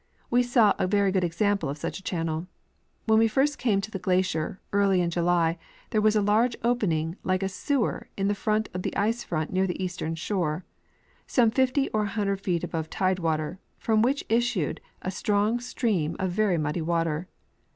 We saw a very good example of such a channel. When we first came to the glacier, early in July, there was a large open ing like a sewer in the face of the ice front near the eastern shore, some fifty or a hundred feet above tide water, from which issued a strong stream of very muddy water.